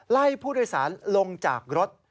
ไล่ผู้โดยสารลงจากรถ